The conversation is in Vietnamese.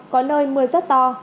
có nơi mưa rất to